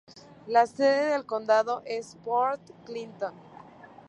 La sede del condado es Port Clinton.